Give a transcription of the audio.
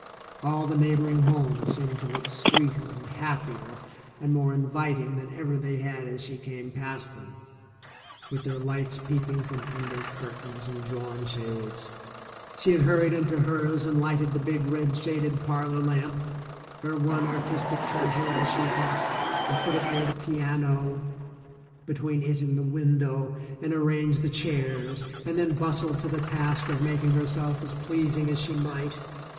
All the neighboring homes seemed to look sweeter and happier and more inviting than ever they had as she came past them, with their lights peeping from under curtains and drawn shades. She had hurried into hers and lighted the big red shaded parlor lamp, her one artistic treasure, as she thought, and put it near the piano, between* it and the window, and arranged the chairs, and then bustled to the task of making herself as pleasing as she might.